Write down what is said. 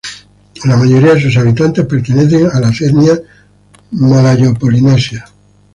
La mayoría de sus habitantes pertenecen a las etnias malayopolinesias.